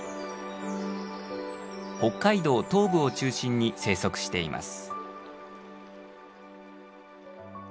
北海道東部を中心に生息しています。